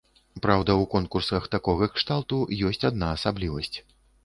Праўда, у конкурсах такога кшталту ёсць адна асаблівасць.